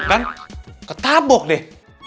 kan ketabok deh